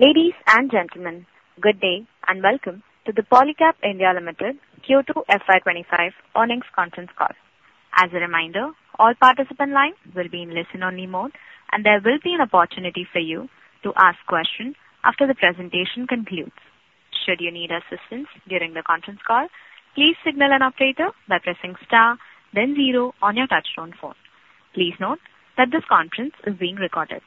Ladies and gentlemen, good day, and welcome to the Polycab India Limited Q2 FY twenty-five earnings conference call. As a reminder, all participant lines will be in listen-only mode, and there will be an opportunity for you to ask questions after the presentation concludes. Should you need assistance during the conference call, please signal an operator by pressing star then zero on your touchtone phone. Please note that this conference is being recorded.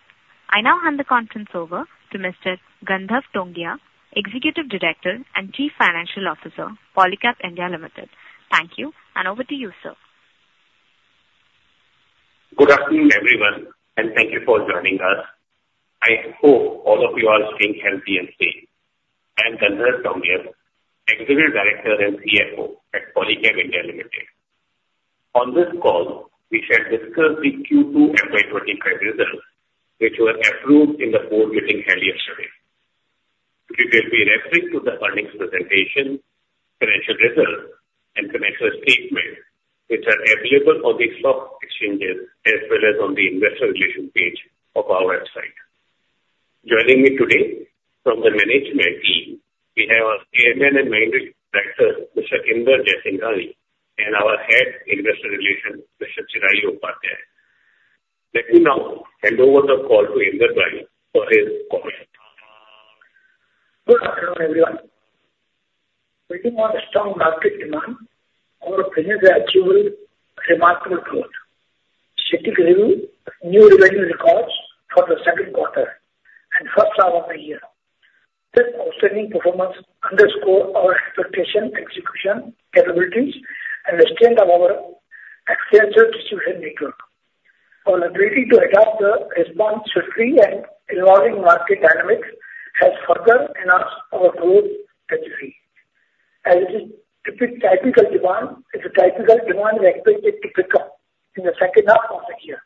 I now hand the conference over to Mr. Gandharv Tongia, Executive Director and Chief Financial Officer, Polycab India Limited. Thank you, and over to you, sir. Good afternoon, everyone, and thank you for joining us. I hope all of you are staying healthy and safe. I'm Gandharv Tongia, Executive Director and CFO at Polycab India Limited. On this call, we shall discuss the Q2 FY 2025 results, which were approved in the board meeting earlier today. We will be referring to the earnings presentation, financial results, and financial statement, which are available on the stock exchanges as well as on the investor relations page of our website. Joining me today from the management team, we have our Chairman and Managing Director, Mr. Inder T. Jaisinghani, and our Head, Investor Relations, Mr. Chirayu Upadhyaya. Let me now hand over the call to Inder T. Jaisinghani for his comments. Good afternoon, everyone. Building on strong market demand, our business has achieved remarkable growth, setting new revenue records for the second quarter and first half of the year. This outstanding performance underscores our expectation, execution, capabilities, and the strength of our extensive distribution network. Our ability to adapt and respond swiftly in evolving market dynamics has further enhanced our growth trajectory. As is typical demand, it's a typical demand we expect it to pick up in the second half of the year,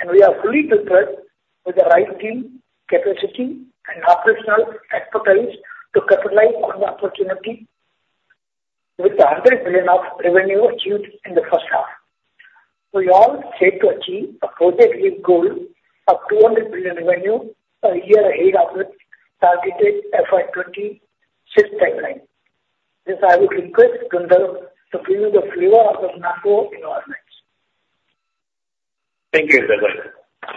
and we are fully prepared with the right team, capacity and operational expertise to capitalize on the opportunity with the 100 billion of revenue achieved in the first half. We are all set to achieve a projected goal of 200 billion revenue a year ahead of the targeted FY 2026 timeline. This, I would request Gandharv to give you the flavor of the macro environment. Thank you, Inder Jaisinghani.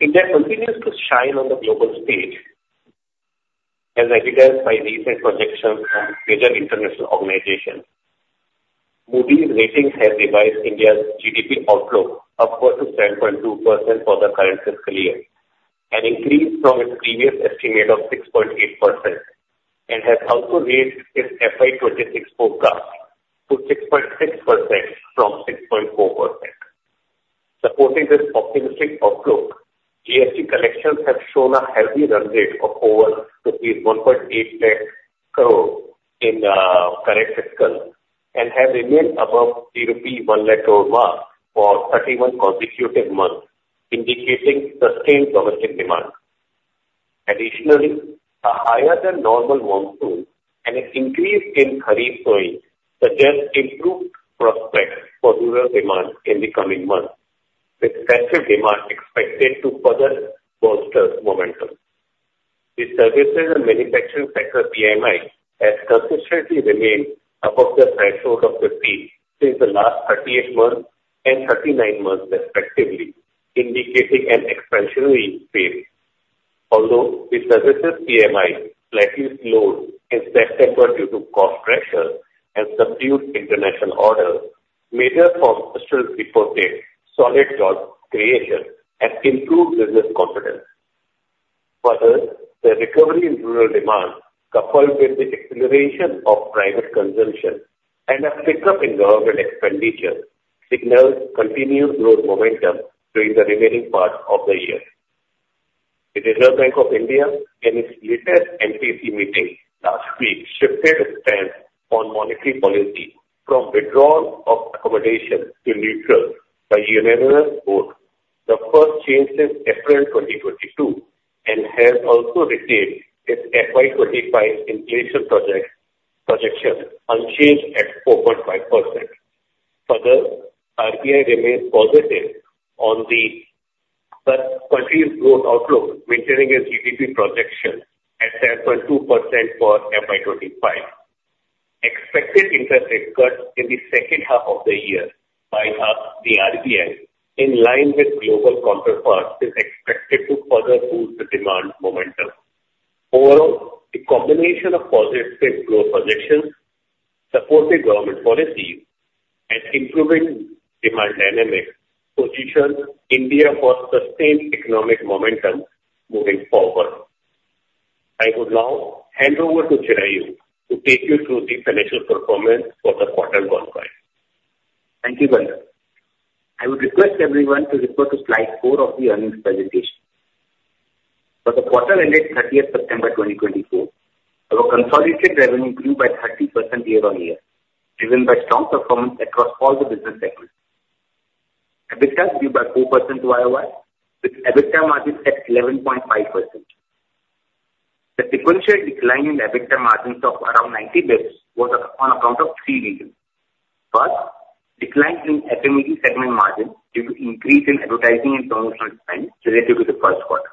India continues to shine on the global stage, as evidenced by recent projections from major international organizations. Moody's Ratings has revised India's GDP outlook upward to 7.2% for the current fiscal year, an increase from its previous estimate of 6.8%, and has also raised its FY 2026 forecast to 6.6% from 6.4%. Supporting this optimistic outlook, GST collections have shown a healthy run rate of over rupees 1.8 lakh crore in current fiscal, and have remained above the rupee 1 lakh crore mark for 31 consecutive months, indicating sustained domestic demand. Additionally, a higher than normal monsoon and an increase in kharif sowing suggest improved prospects for rural demand in the coming months, with festive demand expected to further bolster momentum. The services and manufacturing sector PMI has consistently remained above the threshold of 50 since the last 38 months and 39 months, respectively, indicating an expansionary phase. Although the services PMI slightly slowed in September due to cost pressures and subdued international orders, major surveys report solid job creation and improved business confidence. Further, the recovery in rural demand, coupled with the acceleration of private consumption and a pickup in government expenditure, signals continued growth momentum during the remaining part of the year. The Reserve Bank of India, in its latest MPC meeting last week, shifted its stance on monetary policy from withdrawal of accommodation to neutral by unanimous vote, the first change since April 2022, and has also retained its FY 2025 inflation projection unchanged at 4.5%. Further, RBI remains positive on the current country's growth outlook, maintaining its GDP projection at 7.2% for FY25. Expected interest rate cuts in the second half of the year by the RBI, in line with global counterparts, is expected to further boost the demand momentum. Overall, the combination of positive growth projections, supportive government policies, and improving demand dynamics positions India for sustained economic momentum moving forward. I would now hand over to Chirayu to take you through the financial performance for the quarter gone by. Thank you, Gandharv. I would request everyone to refer to slide four of the earnings presentation. For the quarter ended thirtieth September twenty twenty-four, our consolidated revenue grew by 30% year on year, driven by strong performance across all the business sectors. EBITDA grew by 4% YOY, with EBITDA margin at 11.5%. The sequential decline in EBITDA margins of around 90 basis points was on account of three reasons. First, decline in FME segment margin due to increase in advertising and promotional spend relative to the first quarter.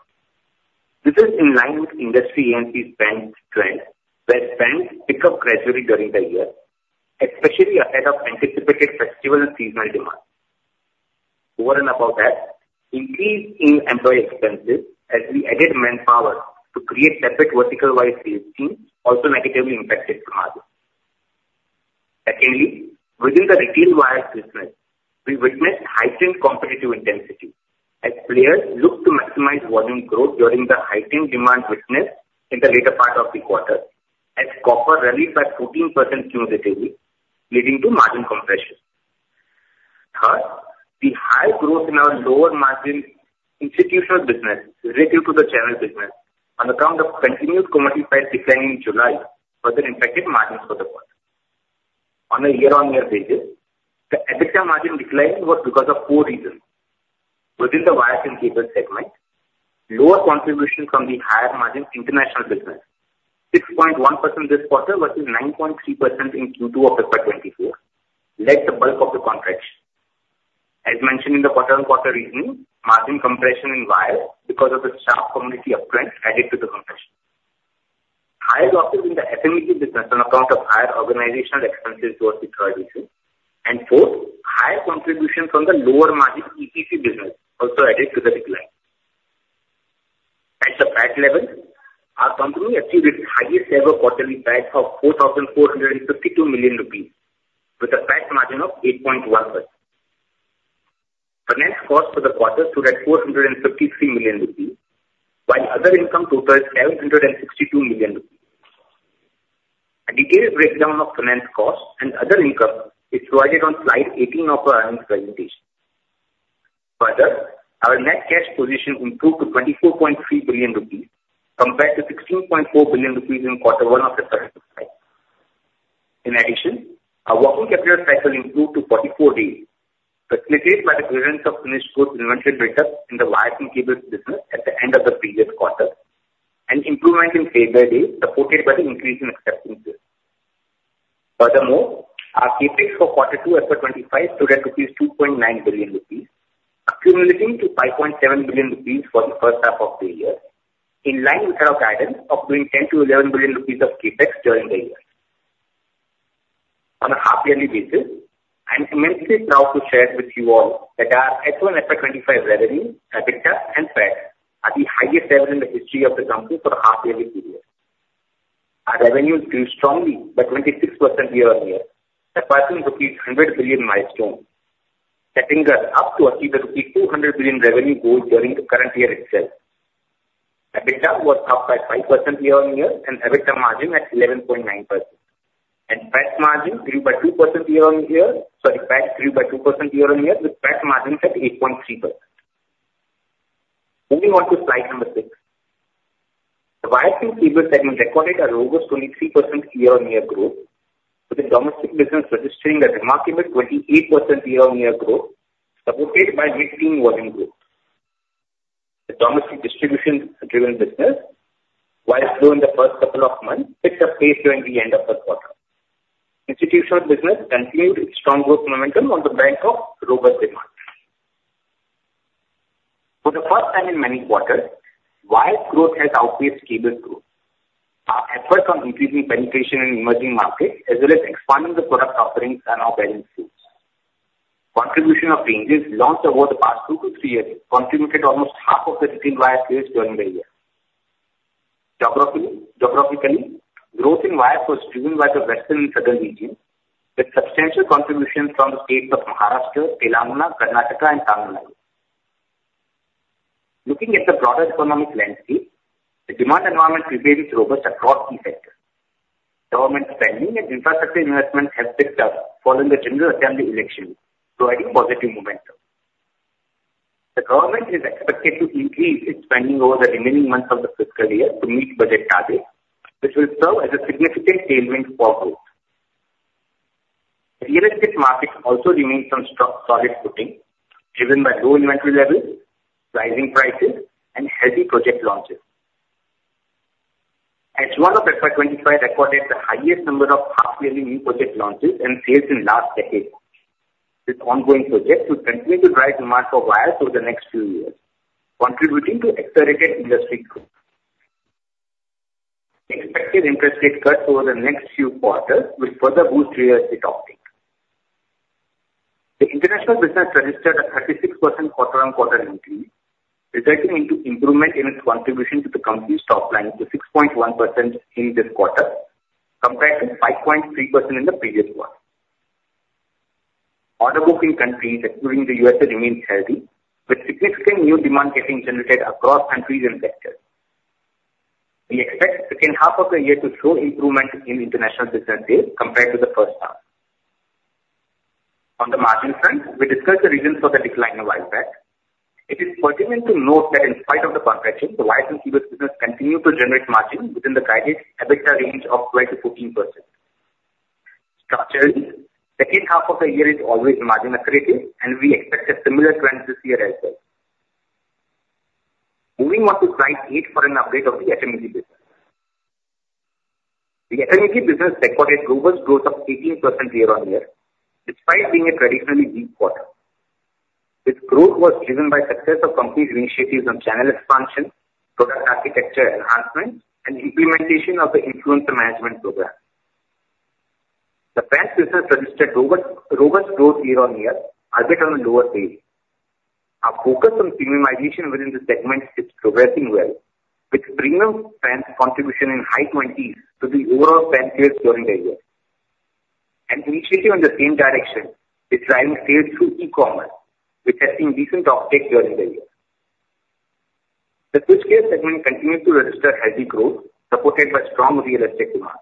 This is in line with industry and spend trend, where spends pick up gradually during the year, especially ahead of anticipated festival seasonal demand. Over and above that, increase in employee expenses as we added manpower to create separate vertical-wise sales teams also negatively impacted margin. Secondly, within the retail wire business, we witnessed heightened competitive intensity as players looked to maximize volume growth during the heightened demand witnessed in the later part of the quarter, as copper rallied by 14% cumulatively, leading to margin compression. Third, the high growth in our lower margin institutional business relative to the channel business on account of continuous commodity price decline in July, further impacted margins for the quarter. On a year-on-year basis, the EBITDA margin decline was because of four reasons. Within the wire and cable segment, lower contribution from the higher margin international business, 6.1% this quarter versus 9.3% in Q2 of FY 2024, led the bulk of the contraction. As mentioned in the quarter-on-quarter review, margin compression in wire because of the sharp commodity uptrend added to the compression. Higher losses in the FME business on account of higher organizational expenses was the third issue, and fourth, higher contribution from the lower margin EPC business also added to the decline. At the PAT level, our company achieved its highest ever quarterly PAT of 4,452 million rupees, with a PAT margin of 8.1%. Finance cost for the quarter stood at 453 million rupees, while other income totaled 762 million rupees. A detailed breakdown of finance costs and other income is provided on slide 18 of our earnings presentation. Further, our net cash position improved to 24.3 billion rupees compared to 16.4 billion rupees in quarter one of the current fiscal. In addition, our working capital cycle improved to 44 days, facilitated by the clearance of finished goods inventory build-up in the wires and cables business at the end of the previous quarter, and improvement in trade pay days, supported by the increase in acceptance period. Furthermore, our CapEx for Quarter 2 FY 2025 stood at 2.9 billion rupees, accumulating to 5.7 billion rupees for the first half of the year, in line with our guidance of doing 10-11 billion rupees of CapEx during the year. On a half yearly basis, I am immensely proud to share with you all that our H1 FY 2025 revenue, EBITDA and PAT are the highest ever in the history of the company for the half yearly period. Our revenue grew strongly by 26% year on year, surpassing rupees 100 billion milestone, setting us up to achieve the rupees 200 billion revenue goal during the current year itself. EBITDA was up by 5% year on year, and EBITDA margin at 11.9%, and PAT margin grew by 2% year on year... Sorry, PAT grew by 2% year on year, with PAT margin at 8.3%. Moving on to slide number six. The wire and cable segment recorded a robust 23% year-on-year growth, with the domestic business registering a remarkable 28% year-on-year growth, supported by mid-teens volume growth. The domestic distribution driven business, while slow in the first couple of months, picked up pace during the end of the quarter. Institutional business continued its strong growth momentum on the back of robust demand. For the first time in many quarters, wire growth has outpaced cable growth. Our efforts on increasing penetration in emerging markets, as well as expanding the product offerings, are now bearing fruits. Contribution of ranges launched over the past two to three years contributed almost half of the retail wire sales during the year. Geographically, growth in wire was driven by the western and southern regions, with substantial contribution from the states of Maharashtra, Telangana, Karnataka, and Tamil Nadu. Looking at the broader economic landscape, the demand environment remains robust across key sectors. Government spending and infrastructure investment has picked up following the General Assembly election, providing positive momentum. The government is expected to increase its spending over the remaining months of the fiscal year to meet budget targets, which will serve as a significant tailwind for growth. The real estate market also remains on strong, solid footing, driven by low inventory levels, rising prices and healthy project launches. H1 of FY 2025 recorded the highest number of half yearly new project launches and sales in last decade. This ongoing project will continue to drive demand for wire over the next few years, contributing to accelerated industry growth. Expected interest rate cuts over the next few quarters will further boost real estate uptake. The international business registered a 36% quarter on quarter increase, resulting into improvement in its contribution to the company's top line to 6.1% in this quarter, compared to 5.3% in the previous one. Order booking countries, including the U.S., remains healthy, with significant new demand getting generated across countries and sectors. We expect the second half of the year to show improvement in international business sales compared to the first half. On the margin front, we discussed the reasons for the decline in wire PAT. It is pertinent to note that in spite of the contraction, the wire and cable business continued to generate margin within the guided EBITDA range of 12%-14%. Generally, second half of the year is always margin accretive, and we expect a similar trend this year as well. Moving on to slide 8 for an update of the FME business. The FME business recorded robust growth of 18% year-on-year, despite being a traditionally weak quarter. This growth was driven by success of complete initiatives on channel expansion, product architecture enhancement, and implementation of the influencer management program. The brand business registered robust, robust growth year-on-year, albeit on a lower stage. Our focus on premiumization within this segment is progressing well, with premium brand contribution in high twenties to the overall brand sales during the year. And initially, in the same direction, we're driving sales through e-commerce, which has seen decent uptake during the year. The switchgear segment continued to register healthy growth, supported by strong real estate demand.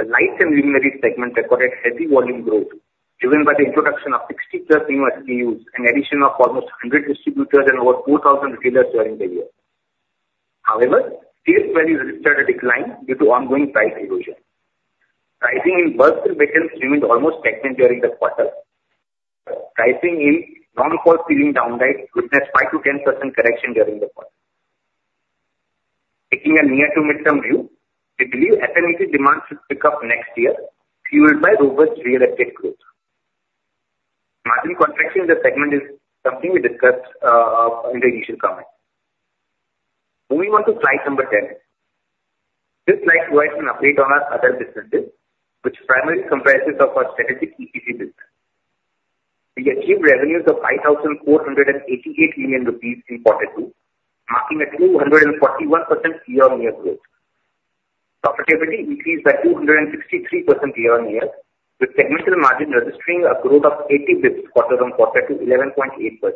The lights and luminaires segment recorded healthy volume growth, driven by the introduction of 60+ new SKUs, an addition of almost 100 distributors and over 4,000 retailers during the year. However, sales value registered a decline due to ongoing price erosion. Pricing in bulb segments remained almost stagnant during the quarter. Pricing in non-LED ceiling downlights witnessed 5%-10% correction during the quarter. Taking a near-to-midterm view, we believe FME demand should pick up next year, fueled by robust real estate growth. Margin contraction in the segment is something we discussed in the initial comment. Moving on to slide number 10. This slide provides an update on our other businesses, which primarily comprises of our strategic EPC business. We achieved revenues of 5,488 million rupees in quarter two, marking a 241% year-on-year growth. Profitability increased by 263% year-on-year, with segment margin registering a growth of 80 basis points quarter-on-quarter to 11.8%.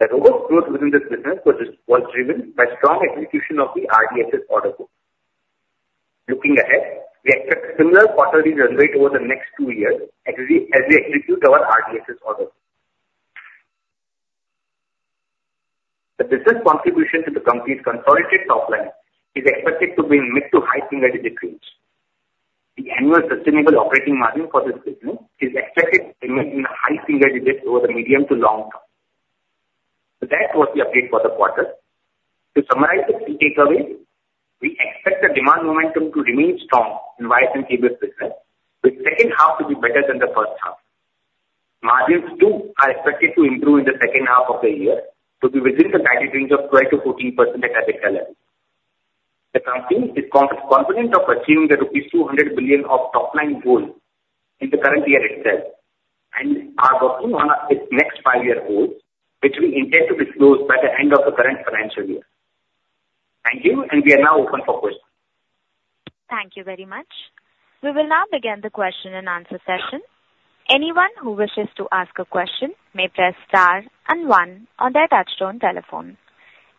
The overall growth within this business was driven by strong execution of the RDSS order book. Looking ahead, we expect similar quarterly run rate over the next two years as we execute our RDSS orders. The business contribution to the company's consolidated top line is expected to be in mid-to-high single digit range. The annual sustainable operating margin for this business is expected to remain in the high single digits over the medium to long term. So that was the update for the quarter. To summarize the key takeaways, we expect the demand momentum to remain strong in wires and cables business, with second half to be better than the first half. Margins, too, are expected to improve in the second half of the year to be within the guided range of 12%-14% at EBITDA level. The company is confident of achieving the rupees 200 billion top line goal in the current year itself, and are working on its next five-year goal, which we intend to disclose by the end of the current financial year. Thank you, and we are now open for questions. Thank you very much. We will now begin the question and answer session. Anyone who wishes to ask a question may press star and one on their touchtone telephone.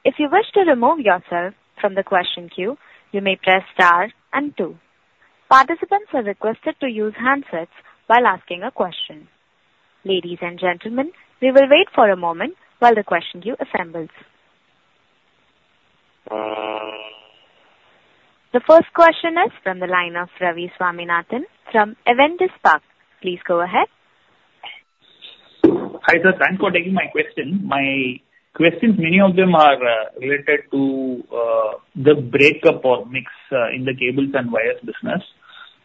If you wish to remove yourself from the question queue, you may press star and two. Participants are requested to use handsets while asking a question. Ladies and gentlemen, we will wait for a moment while the question queue assembles. The first question is from the line of Ravi Swaminathan from Avendus Spark. Please go ahead. Hi, sir. Thanks for taking my question. My questions, many of them are, related to, the breakup or mix, in the cables and wires business.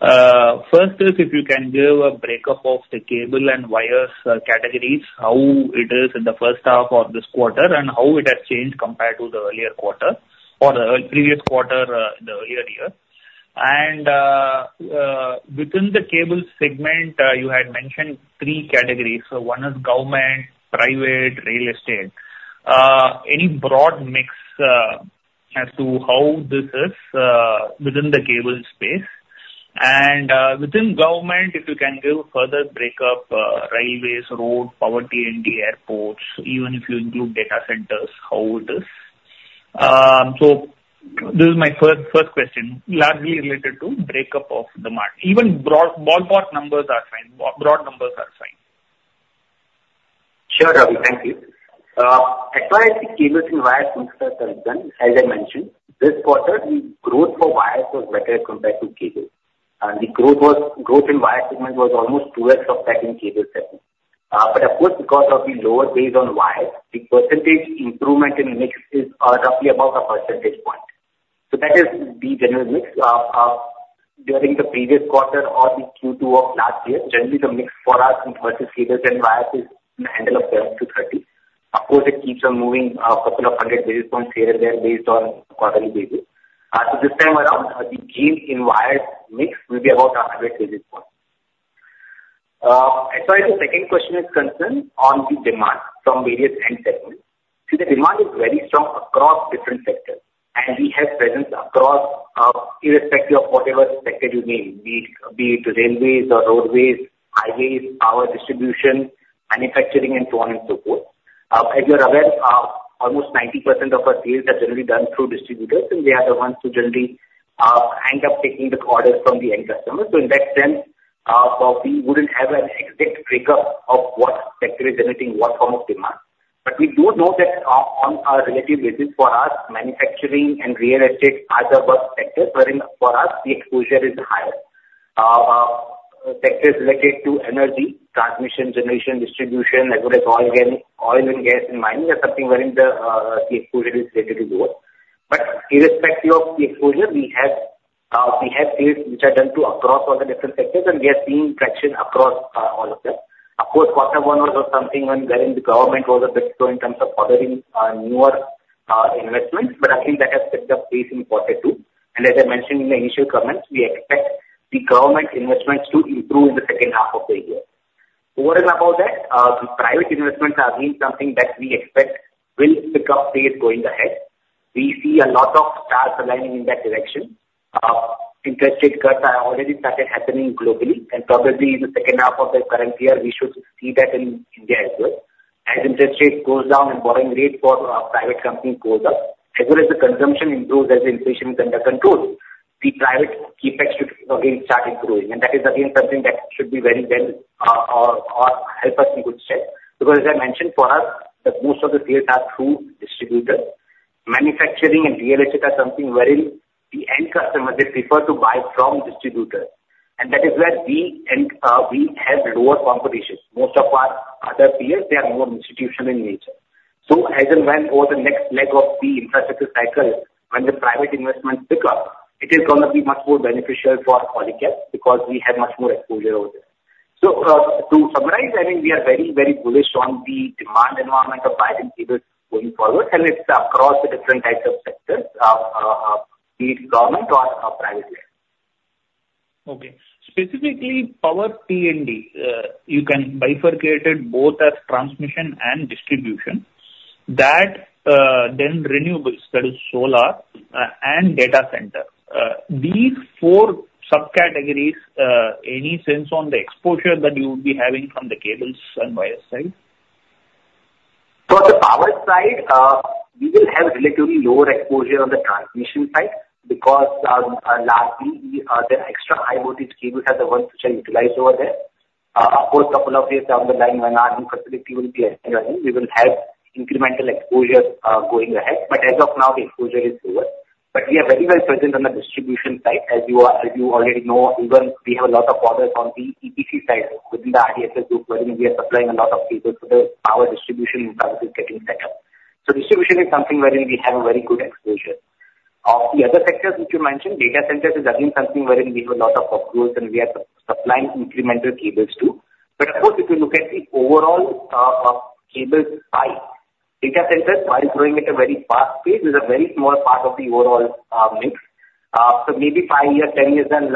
First is if you can give a breakup of the cable and wires, categories, how it is in the first half of this quarter, and how it has changed compared to the earlier quarter or the, previous quarter, the earlier year. And, within the cable segment, you had mentioned three categories. So one is government, private, real estate. Any broad mix, as to how this is, within the cable space? And, within government, if you can give further breakup, railways, road, power, T&D, airports, even if you include data centers, how it is? This is my first question, largely related to breakup of the mar--. Even broad, ballpark numbers are fine. Broad numbers are fine. Sure, Ravi, thank you. As far as the cables and wires business are concerned, as I mentioned, this quarter, the growth for wires was better compared to cables. The growth was, growth in wire segment was almost two X of that in cable segment. But of course, because of the lower base on wires, the percentage improvement in mix is, roughly about a percentage point. So that is the general mix. During the previous quarter or the Q2 of last year, generally, the mix for us in terms of cables and wires is in the handle of twelve to thirty. Of course, it keeps on moving, couple of hundred basis points here and there based on quarterly basis. So this time around, the gain in wire mix will be about a hundred basis points. As far as the second question is concerned on the demand from various end segments, see, the demand is very strong across different sectors, and we have presence across, irrespective of whatever sector you name, be it railways or roadways, highways, power distribution, manufacturing, and so on and so forth. As you're aware, almost 90% of our sales are generally done through distributors, and they are the ones who generally end up taking the orders from the end customer. So in that sense, so we wouldn't have an exact breakup of what sector is generating what form of demand. But we do know that, on a relative basis for us, manufacturing and real estate are the worst sectors wherein for us the exposure is higher. Sectors related to energy, transmission, generation, distribution, as well as oil and gas and mining, are something wherein the exposure is relatively lower. But irrespective of the exposure, we have sales which are done to across all the different sectors, and we are seeing traction across all of them. Of course, quarter one was something when wherein the government was a bit slow in terms of ordering more investments, but I think that has picked up pace in quarter two. And as I mentioned in the initial comments, we expect the government investments to improve in the second half of the year. Over and above that, the private investments are again something that we expect will pick up pace going ahead. We see a lot of stars aligning in that direction. Interest rate cuts have already started happening globally, and probably in the second half of the current year, we should see that in India as well. As interest rate goes down and borrowing rate for, private companies goes up, as well as the consumption improves, as inflation is under control, the private CapEx should again start improving. And that is again something that should be very well, or help us in good stead. Because as I mentioned, for us, the most of the sales are through distributors. Manufacturing and real estate are something wherein the end customer, they prefer to buy from distributors, and that is where we end, we have lower competition. Most of our other peers, they are more institutional in nature. So as and when over the next leg of the infrastructure cycle, when the private investments pick up, it is going to be much more beneficial for Polycab because we have much more exposure over there. So, to summarize, I mean, we are very, very bullish on the demand environment of power and cables going forward, and it's across the different types of sectors, be it government or private sector. Okay. Specifically, power T&D, you can bifurcate it both as transmission and distribution. That, then renewables, that is solar, and data center. These four subcategories, any sense on the exposure that you would be having from the cables and wire side? For the power side, we will have relatively lower exposure on the transmission side because, largely, the extra high voltage cables are the ones which are utilized over there. Of course, a couple of years down the line, when our new facility will be up and running, we will have incremental exposure, going ahead, but as of now, the exposure is lower, but we are very well present on the distribution side. As you already know, even we have a lot of orders on the EPC side, within the RDSS group, wherein we are supplying a lot of cables for the power distribution infrastructure getting set up, so distribution is something wherein we have a very good exposure. Of the other sectors which you mentioned, data center is again something wherein we have a lot of approvals, and we are supplying incremental cables, too. But of course, if you look at the overall cables side, data centers are growing at a very fast pace, is a very small part of the overall mix. So maybe five years, 10 years down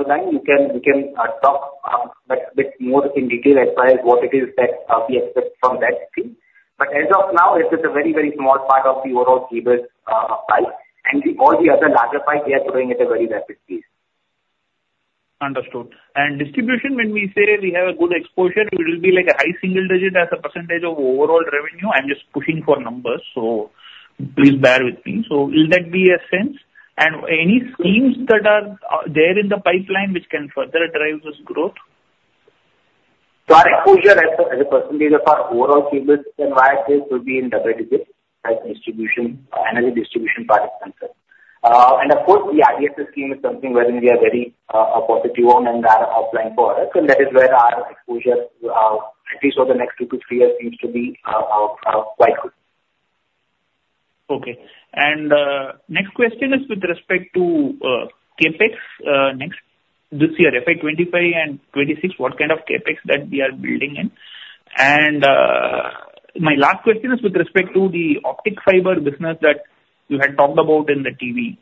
the line, we can talk a bit more in detail as far as what it is that we expect from that space. But as of now, it's just a very, very small part of the overall cables side, and all the other larger sides, we are growing at a very rapid pace. Understood. And distribution, when we say we have a good exposure, it will be like a high single digit as a percentage of overall revenue. I'm just pushing for numbers, so please bear with me. So will that be a sense? And any schemes that are there in the pipeline which can further drive this growth? So our exposure as a percentage of our overall cables and wires business will be in double digits, as distribution, energy distribution part is concerned. And of course, the RDSS scheme is something wherein we are very positive on and are applying for it, and that is where our exposure at least for the next two to three years seems to be quite good. Okay. Next question is with respect to CapEx next this year, FY 2025 and 2026, what kind of CapEx that we are building in? And my last question is with respect to the optic fiber business that you had talked about in the TV,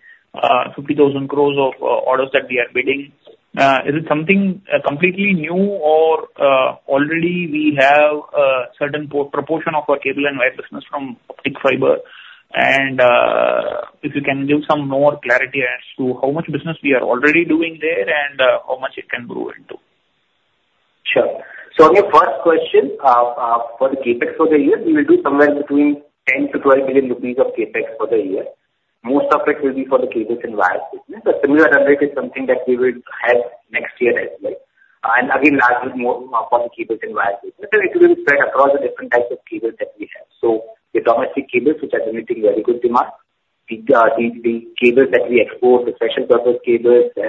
fifty thousand crores of orders that we are bidding. Is it something completely new or already we have a certain proportion of our cable and wire business from optic fiber? And if you can give some more clarity as to how much business we are already doing there, and how much it can grow into. Sure. So on your first question, for the CapEx for the year, we will do somewhere between 10-12 billion rupees of CapEx for the year. Most of it will be for the cables and wires business. A similar runway is something that we will have next year as well. And again, largely more upon the cables and wires business, but it will spread across the different types of cables that we have. So the domestic cables, which are demanding very good demand, the cables that we export, the special purpose cables, as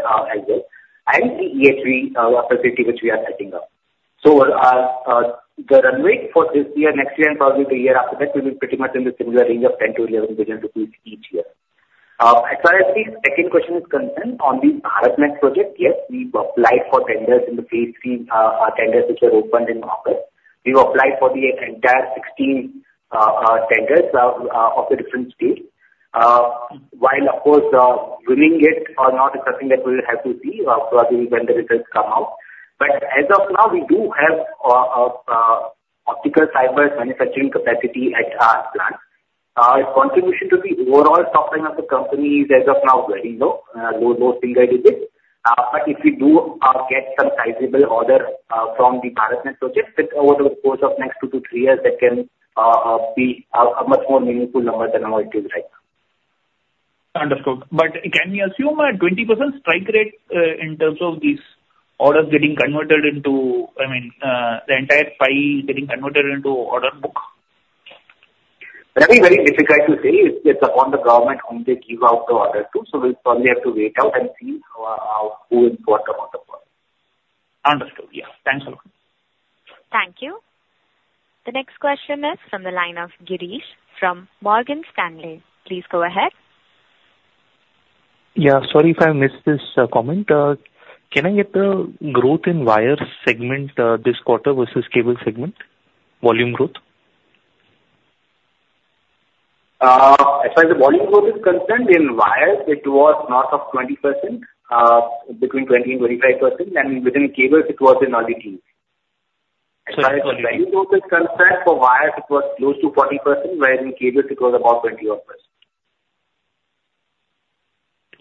well, and the EHV facility which we are setting up. So the runway for this year, next year, and probably the year after that, will be pretty much in the similar range of 10-11 billion rupees each year. As far as the second question is concerned, on the BharatNet project, yes, we've applied for tenders in the phase three tenders, which were opened in August. We've applied for the entire sixteen tenders of the different states. While of course, winning it or not is something that we'll have to see, probably when the results come out, but as of now, we do have optical fiber manufacturing capacity at our plant. Its contribution to the overall top line of the company is as of now very low single digits, but if we do get some sizable order from the BharatNet project, then over the course of next two to three years, that can be a much more meaningful number than what it is right now. ...Understood. But can we assume a 20% strike rate, in terms of these orders getting converted into, I mean, the entire pie getting converted into order book? That'll be very difficult to say. It's upon the government whom they give out the order to, so we'll probably have to wait out and see who will get what amount of work. Understood. Yeah. Thanks a lot. Thank you. The next question is from the line of Girish from Morgan Stanley. Please go ahead. Yeah, sorry if I missed this, comment. Can I get the growth in wire segment, this quarter versus cable segment, volume growth? As far as the volume growth is concerned, in wires, it was north of 20%, between 20% and 25%, and within cables it was in early teens. Sorry, inaudible. For wires, it was close to 40%, whereas in cables it was about 21%.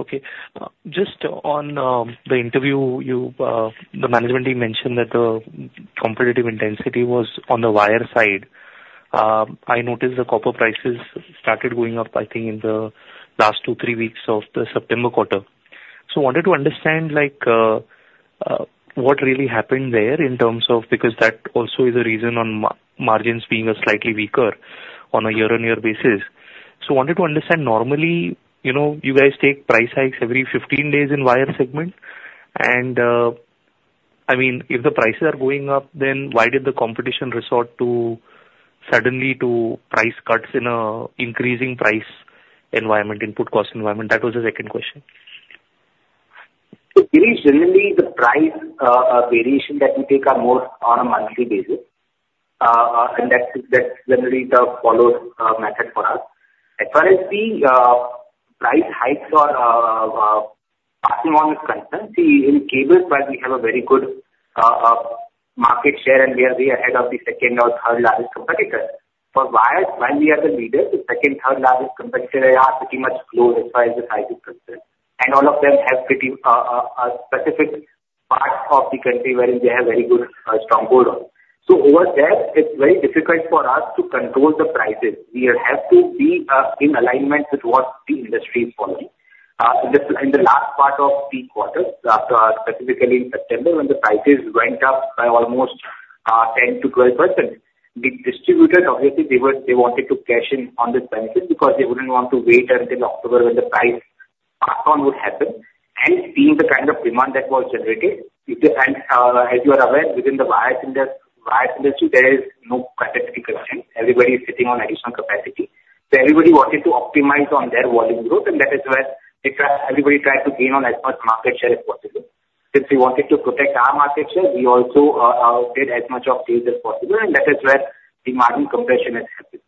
Okay. Just on the interview, you, the management team mentioned that the competitive intensity was on the wire side. I noticed the copper prices started going up, I think, in the last two, three weeks of the September quarter. So wanted to understand, like, what really happened there in terms of... Because that also is a reason on margins being a slightly weaker on a year-on-year basis. So wanted to understand, normally, you know, you guys take price hikes every 15 days in wire segment, and, I mean, if the prices are going up, then why did the competition resort suddenly to price cuts in an increasing price environment, input cost environment? That was the second question. So Girish, generally, the price variation that we take are more on a monthly basis, and that's generally the followed method for us. As far as the price hikes are passing on is concerned, see, in cables, where we have a very good market share, and we are way ahead of the second or third largest competitor. For wires, while we are the leader, the second, third largest competitor are pretty much close as far as the price is concerned. And all of them have pretty a specific part of the country, where they have very good stronghold on. So over there, it's very difficult for us to control the prices. We have to be in alignment with what the industry is following. In the last part of the quarter, specifically in September, when the prices went up by almost 10%-12%, the distributors, obviously, they wanted to cash in on this benefit, because they wouldn't want to wait until October when the price pass on would happen. Seeing the kind of demand that was generated, as you are aware, within the wire industry, there is no capacity constraint. Everybody is sitting on additional capacity. So everybody wanted to optimize on their volume growth, and that is where they try, everybody tried to gain on as much market share as possible. Since we wanted to protect our market share, we also did as much of sales as possible, and that is where the margin compression has happened.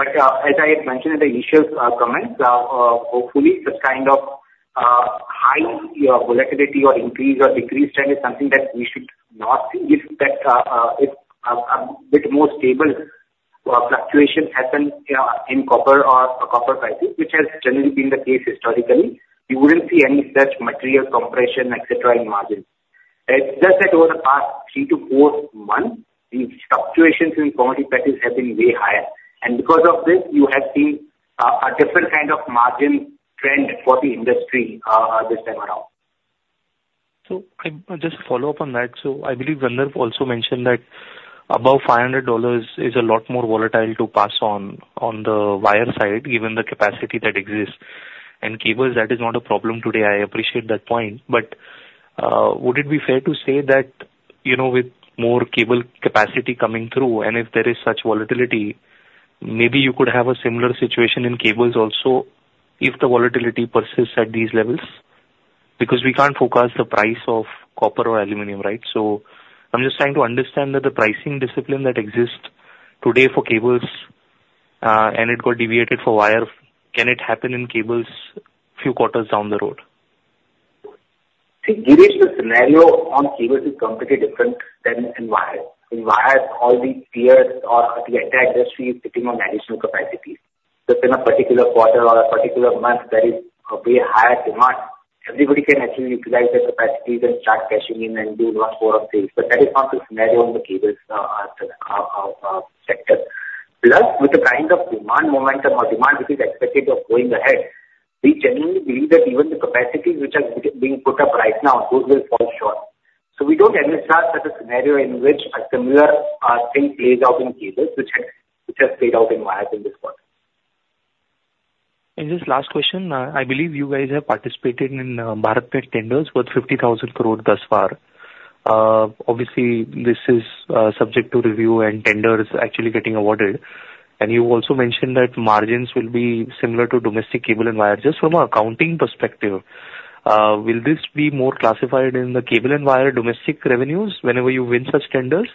But, as I had mentioned in the initial comments, hopefully this kind of high volatility or increase or decrease trend is something that we should not see. If a bit more stable fluctuation happens in copper or copper prices, which has generally been the case historically, you wouldn't see any such material compression, et cetera, in margins. It's just that over the past three to four months, the fluctuations in commodity prices have been way higher, and because of this, you have seen a different kind of margin trend for the industry this time around. So I, just to follow up on that, so I believe Gandharv also mentioned that above $500 is a lot more volatile to pass on, on the wire side, given the capacity that exists. And cables, that is not a problem today, I appreciate that point. But, would it be fair to say that, you know, with more cable capacity coming through, and if there is such volatility, maybe you could have a similar situation in cables also, if the volatility persists at these levels? Because we can't forecast the price of copper or aluminum, right? So I'm just trying to understand that the pricing discipline that exists today for cables, and it got deviated for wire, can it happen in cables few quarters down the road? See, Girish, the scenario on cables is completely different than in wire. In wire, all the peers or the entire industry is sitting on additional capacity. So if in a particular quarter or a particular month, there is a way higher demand, everybody can actually utilize their capacity and start cashing in and do more sales. But that is not the scenario in the cables sector. Plus, with the kind of demand momentum or demand which is expected of going ahead, we genuinely believe that even the capacities which are being put up right now, those will fall short. So we don't anticipate such a scenario in which a similar thing plays out in cables, which has played out in wire in this quarter. And just last question, I believe you guys have participated in BharatNet tenders worth 50,000 crore thus far. Obviously, this is subject to review and tenders actually getting awarded. And you also mentioned that margins will be similar to domestic cable and wire. Just from an accounting perspective, will this be more classified in the cable and wire domestic revenues whenever you win such tenders,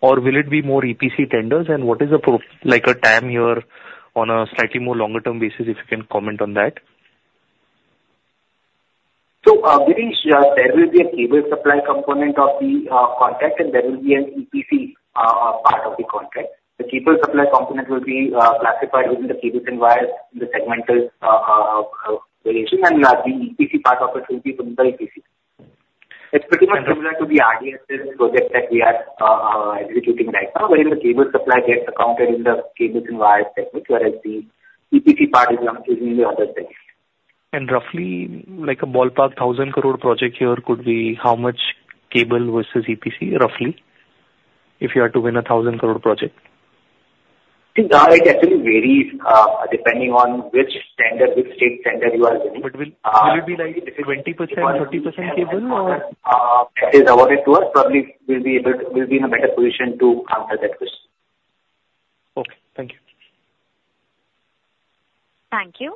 or will it be more EPC tenders? And what is the profile like, timeline you're on a slightly more longer term basis, if you can comment on that. So, Girish, there will be a cable supply component of the contract, and there will be an EPC part of the contract. The cable supply component will be classified within the cables and wires, in the segmental variation, and the EPC part of it will be under EPC. It's pretty much similar to the RDSS project that we are executing right now, wherein the cable supply gets accounted in the cables and wires segment, whereas the EPC part is done using the other segment. Roughly, like a ballpark 1,000 crore project here could be how much cable versus EPC, roughly, if you are to win a 1,000 crore project? It actually varies depending on which tender, which state tender you are winning. But will it be like 20%, 30% cable, or? If it is awarded to us, probably we'll be in a better position to answer that question. Okay, thank you. Thank you.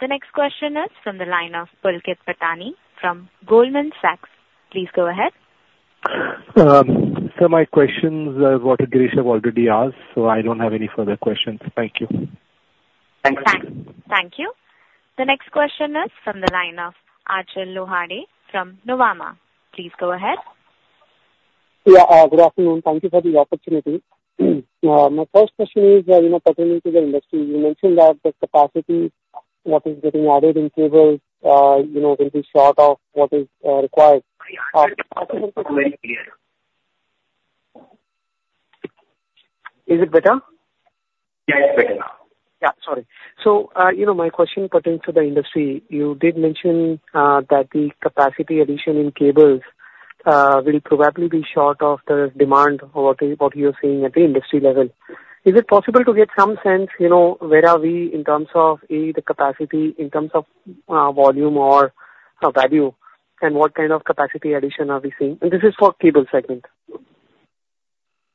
The next question is from the line of Pulkit Patni from Goldman Sachs. Please go ahead. So my questions, what Girish have already asked, so I don't have any further questions. Thank you. Thank you. Thank you. The next question is from the line of Arjun Lohiya from Nuvama. Please go ahead. Yeah, good afternoon. Thank you for the opportunity. My first question is, you know, pertaining to the industry. You mentioned that the capacity that is getting added in cable, you know, going to be short of what is required. Yeah, Is it better? Yeah, it's better now. Yeah, sorry. So, you know, my question pertains to the industry. You did mention that the capacity addition in cables will probably be short of the demand of what is, what you're seeing at the industry level. Is it possible to get some sense, you know, where are we in terms of, A, the capacity, in terms of, volume or, value? And what kind of capacity addition are we seeing? And this is for cable segment.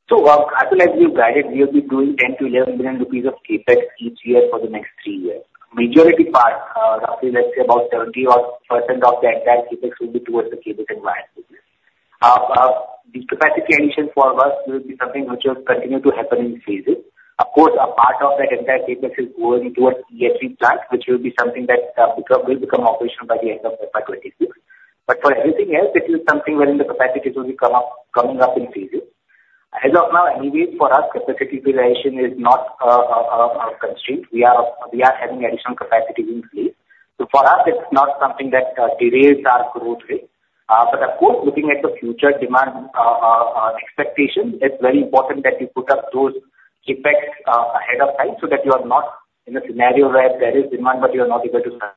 As we have guided, we will be doing 10-11 billion rupees of CapEx each year for the next three years. Majority part, roughly, let's say about 70-odd% of the entire CapEx will be towards the cable and wire business. The capacity addition for us will be something which will continue to happen in phases. Of course, a part of that entire CapEx is going towards the EHV plant, which will be something that will become operational by the end of the financial year. For everything else, it is something wherein the capacity will be coming up in phases. As of now, anyway, for us, capacity utilization is not a constraint. We are having additional capacity in place. For us, it's not something that derails our growth rate. But of course, looking at the future demand expectations, it's very important that you put up those CapEx ahead of time, so that you are not in a scenario where there is demand, but you are not able to supply.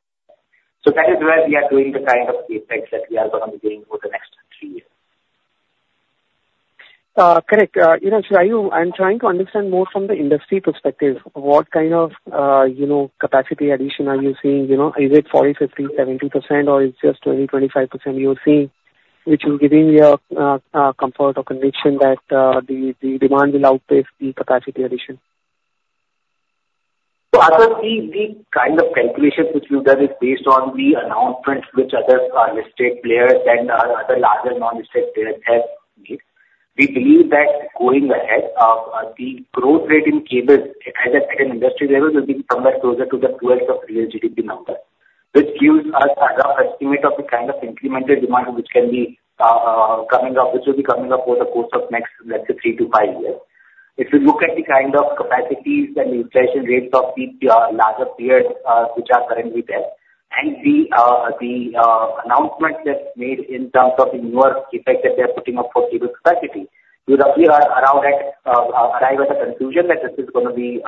So that is why we are doing the kind of CapEx that we are going to be doing over the next three years. Correct. You know, Chirayu, I'm trying to understand more from the industry perspective, what kind of, you know, capacity addition are you seeing? You know, is it 40, 50, 70%, or it's just 20-25% you are seeing, which is giving you comfort or conviction that the demand will outpace the capacity addition? So Arjun, the kind of calculations which we've done is based on the announcements which other listed players and other larger non-listed players have made. We believe that going ahead, the growth rate in cables at an industry level will be somewhere closer to the growth of real GDP number. Which gives us a rough estimate of the kind of incremental demand which can be coming up, which will be coming up over the course of next, let's say, three to five years. If you look at the kind of capacities and inflation rates of the larger players which are currently there, and the announcements that's made in terms of the newer CapEx that they're putting up for cable capacity, you roughly are around that arrive at the conclusion that this is gonna be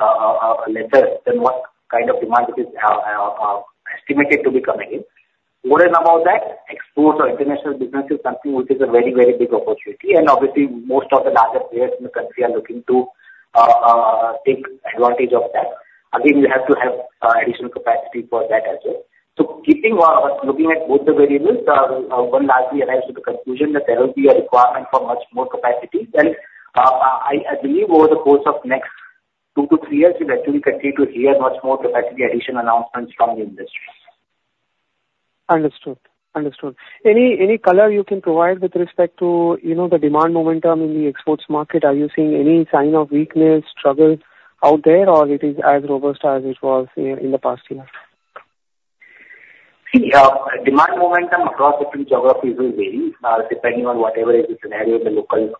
lesser than what kind of demand it is estimated to be coming in. Over and above that, exports or international business is something which is a very, very big opportunity, and obviously most of the larger players in the country are looking to take advantage of that. Again, you have to have additional capacity for that as well. So keeping looking at both the variables, one largely arrives to the conclusion that there will be a requirement for much more capacity. And I believe over the course of next two to three years, we will actually continue to hear much more capacity addition announcements from the industry. Understood. Any color you can provide with respect to, you know, the demand momentum in the exports market? Are you seeing any sign of weakness, struggles out there, or it is as robust as it was in the past years? See, demand momentum across different geographies will vary, depending on whatever is the scenario in the local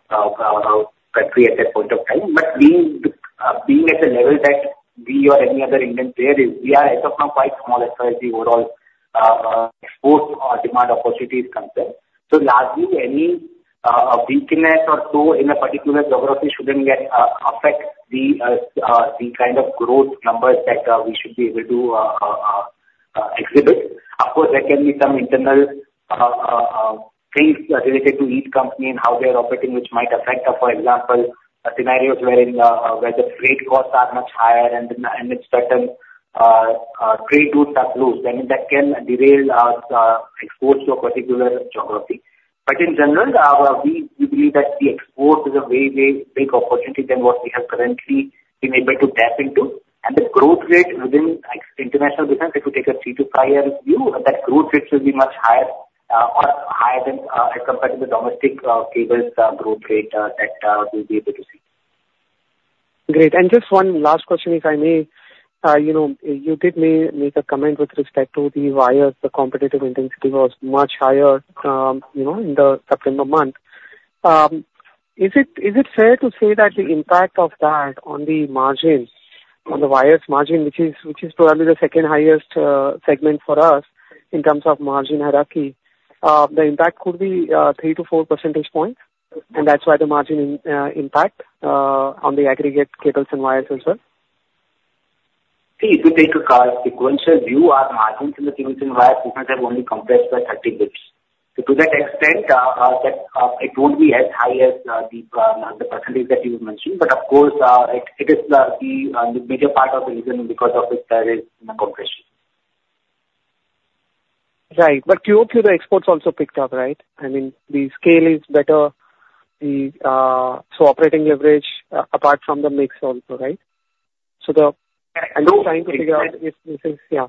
country at that point of time. But being at the level that we or any other Indian player is, we are as of now quite small as far as the overall export or demand opportunity is concerned. So largely any weakness or so in a particular geography shouldn't get affect the kind of growth numbers that we should be able to exhibit. Of course, there can be some internal things related to each company and how they are operating, which might affect, for example, scenarios wherein the trade costs are much higher and certain trade routes are closed, then that can derail our exports to a particular geography. But in general, we believe that the export is a way bigger opportunity than what we have currently been able to tap into. And the growth rate within export international business, if you take a three- to five-year view, that growth rates will be much higher, or higher than, as compared to the domestic cables growth rate, that we'll be able to see. Great. And just one last question, if I may. You know, you did make a comment with respect to the wires, the competitive intensity was much higher, you know, in the September month. Is it fair to say that the impact of that on the margins, on the wires margin, which is probably the second highest segment for us in terms of margin hierarchy, the impact could be 3-4 percentage points, and that's why the margin impact on the aggregate cables and wires as well? See, if you take a quarter sequential view, our margins in the cables and wires have only compressed by 30 basis points. So to that extent, it won't be as high as the percentage that you mentioned, but of course, it is the bigger part of the reason because of this there is compression. Right, but QOQ, the exports also picked up, right? I mean, the scale is better, the, so operating leverage, apart from the mix also, right? So the- Yeah. I'm just trying to figure out if this is... Yeah. Yeah.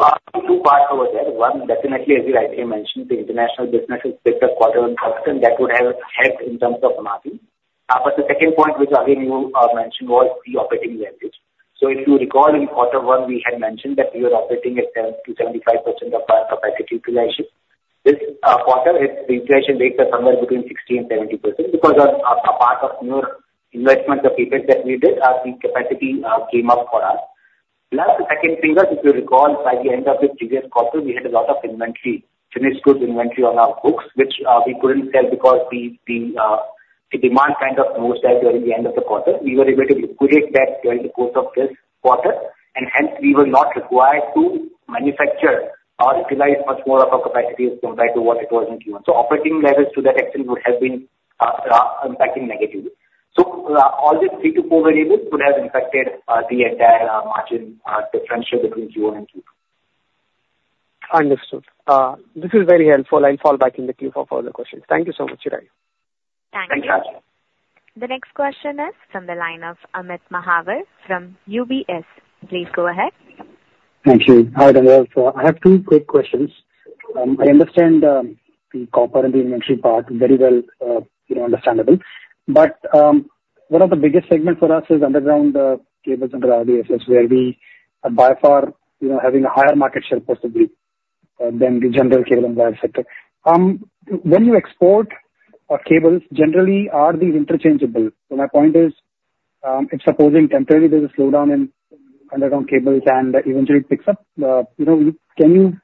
So two parts over there. One, definitely, as you rightly mentioned, the international business is better quarter on quarter, and that would have helped in terms of margin. But the second point, which again, you mentioned, was the operating leverage. So if you recall, in quarter one, we had mentioned that we were operating at 10%-75% of our capacity utilization. This quarter, the utilization rates are somewhere between 60% and 70%, because on a part of newer investment, the CapEx that we did, the capacity came up for us. Plus, the second thing was, if you recall, by the end of the previous quarter, we had a lot of inventory, finished goods inventory on our books, which we couldn't sell because the demand kind of moved out during the end of the quarter. We were able to liquidate that during the course of this quarter, and hence we were not required to manufacture or utilize much more of our capacities compared to what it was in Q1. So operating leverage to that extent would have been impacting negatively. So, all these three to four variables could have impacted the entire margin differential between Q1 and Q2. Understood. This is very helpful. I'll fall back in the queue for further questions. Thank you so much, Chirayu. Thank you. Thank you. The next question is from the line of Amit Mahawar from UBS. Please go ahead. Thank you. Hi, Dhawal. So I have two quick questions. I understand the copper and the inventory part very well, you know, understandable, but one of the biggest segments for us is underground cables and RDSS, where we are by far, you know, having a higher market share possibly than the general cable and wire sector. When you export our cables, generally, are these interchangeable? So my point is, if supposing temporarily there's a slowdown in underground cables and eventually it picks up, you know, can you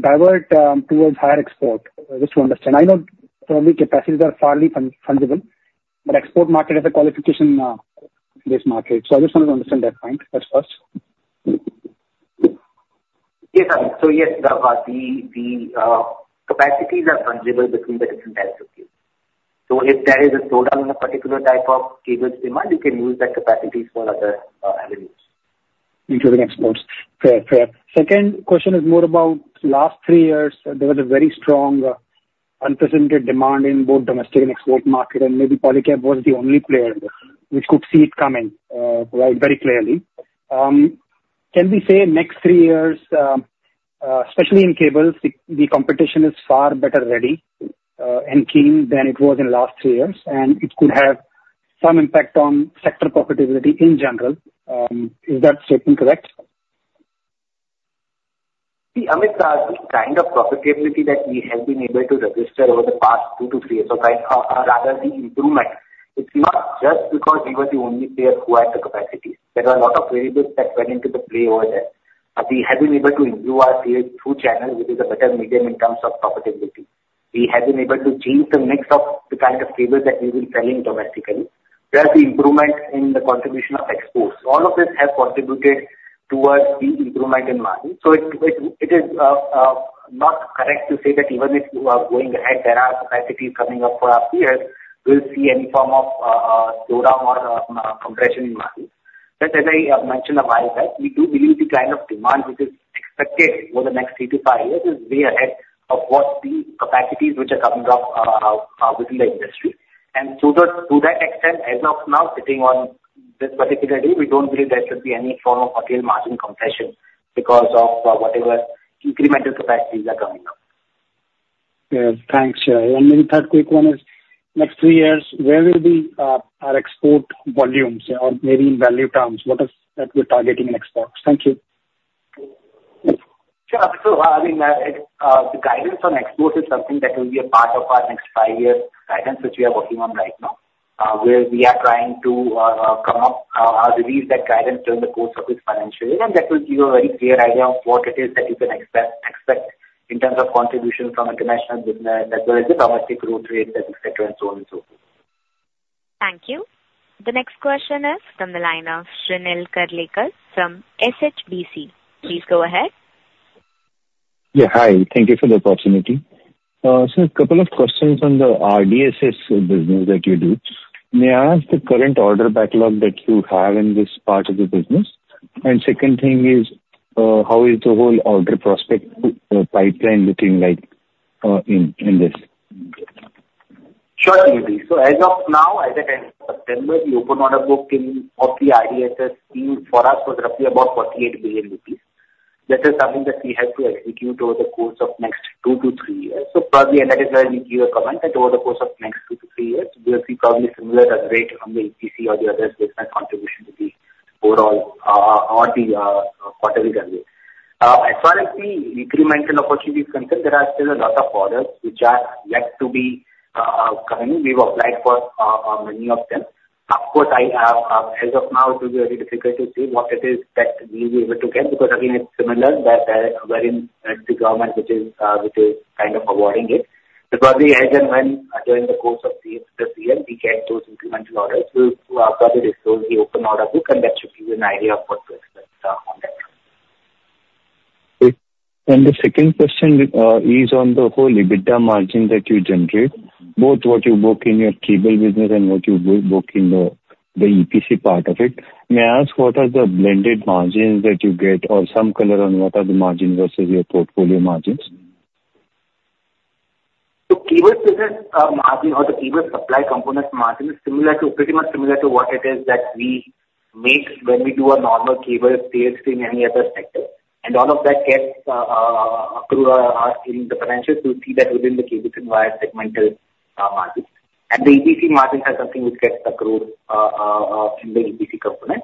divert towards higher export? Just to understand. I know probably capacities are fairly fungible, but export market is a qualification this market, so I just wanted to understand that point. That's first. Yes, sir. So yes, the capacities are fungible between the different types of cables. So if there is a slowdown in a particular type of cable demand, you can use that capacities for other avenues. Into the exports. Fair, fair. Second question is more about last three years, there was a very strong, unprecedented demand in both domestic and export market, and maybe Polycab was the only player which could see it coming, very, very clearly. Can we say in next three years, especially in cables, the competition is far better ready, and keen than it was in last three years, and it could have some impact on sector profitability in general? Is that statement correct? Amit, the kind of profitability that we have been able to register over the past two to three years, or rather the improvement, it's not just because we were the only player who had the capacity. There are a lot of variables that went into the play over there. We have been able to improve our sales through channels, which is a better medium in terms of profitability. We have been able to change the mix of the kind of cables that we've been selling domestically. There is the improvement in the contribution of exports. All of this have contributed towards the improvement in margin. So it is not correct to say that even if you are going ahead, there are capacities coming up for our peers, we'll see any form of slowdown or compression in margin. But as I mentioned a while back, we do believe the kind of demand which is expected over the next three to five years is way ahead of what the capacities which are coming up within the industry. And so to that extent, as of now, sitting on this particular day, we don't believe there should be any form of again, margin compression because of whatever incremental capacities are coming up. Yeah. Thanks, Chirayu. And maybe third quick one is, next three years, where will be our export volumes or maybe in value terms, what is that we're targeting in exports? Thank you. Sure. So, I mean, the guidance on exports is something that will be a part of our next five-year guidance, which we are working on right now. Where we are trying to come up or release that guidance during the course of this financial year, and that will give you a very clear idea of what it is that you can expect in terms of contribution from international business, as well as the domestic growth rate, et cetera, and so on and so forth. Thank you. The next question is from the line of Shrinidhi Karlekar from HSBC. Please go ahead. Yeah, hi. Thank you for the opportunity. So a couple of questions on the RDSS business that you do. May I ask the current order backlog that you have in this part of the business? And second thing is, how is the whole order prospect pipeline looking like in this? Sure, Shrinidhi. So as of now, at the end of September, the open order book of the RDSS team for us was roughly about 48 billion rupees. This is something that we have to execute over the course of next 2-3 years. So probably, and that is why we gave a comment that over the course of next 2-3 years, we will see probably similar run rate from the EPC or the other business contribution to the overall on the quarter we can do. As far as the incremental opportunities concerned, there are still a lot of orders which are yet to be coming. We've applied for many of them. Of course, as of now, it will be very difficult to say what it is that we'll be able to get, because again, it's similar that we're in the government, which is kind of avoiding it. But probably as and when, during the course of this year, we get those incremental orders, we'll update those, the open order book, and that should give you an idea of what to expect on that. Great. And the second question is on the whole EBITDA margin that you generate, both what you book in your cable business and what you book in the EPC part of it. May I ask, what are the blended margins that you get, or some color on what are the margins versus your portfolio margins? The cable business, margin or the cable supply component margin is similar to, pretty much similar to what it is that we make when we do a normal cable sales in any other sector. And all of that gets through, in the financials, you'll see that within the cable and wire segmental margins. And the EPC margins are something which gets accrued in the EPC component.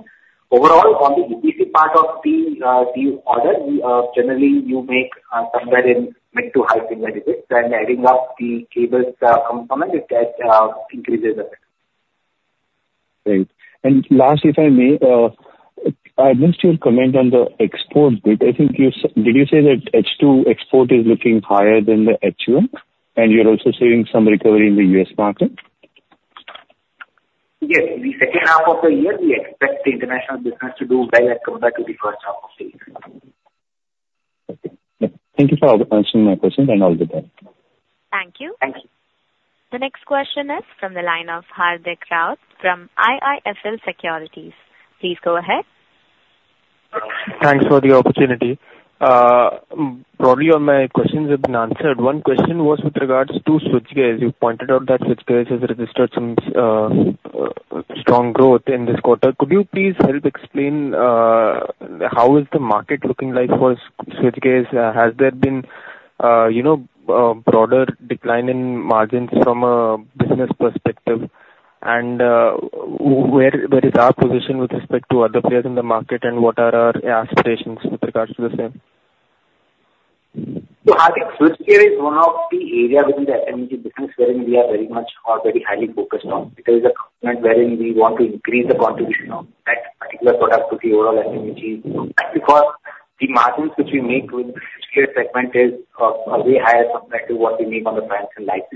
Overall, on the EPC part of the order, we generally you make somewhere in mid to high single digits, then adding up the cables component, it gets increases it. Great. And last, if I may, I missed your comment on the export bit. I think you said... Did you say that H2 export is looking higher than the H1, and you're also seeing some recovery in the U.S. market? Yes, the second half of the year, we expect the international business to do better compared to the first half of the year. Okay. Thank you for answering my questions, and all the best. Thank you. Thank you. The next question is from the line of Hardik Rawat from IIFL Securities. Please go ahead. Thanks for the opportunity. Probably all my questions have been answered. One question was with regards to switchgear. You pointed out that switchgear has registered some strong growth in this quarter. Could you please help explain how is the market looking like for switchgears? Has there been you know a broader decline in margins from a business perspective? And where is our position with respect to other players in the market, and what are our aspirations with regards to the same? So, Hardik, switchgear is one of the areas within the FME business wherein we are very much or very highly focused on. It is a component wherein we want to increase the contribution of that particular product to the overall FME. That's because the margins which we make with the switchgear segment is way higher compared to what we make on the fans and lights.